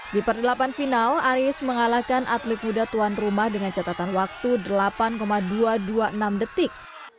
di perdelapan final aris mengalahkan atlet muda tuan rumah dengan catatan waktu delapan dua ratus dua puluh enam detik